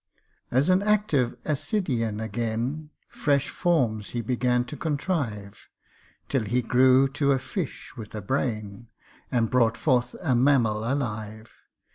As an active ascidian again Fresh forms he began to contrive, Till he grew to a fish with a brain, And brought forth a mammal alive.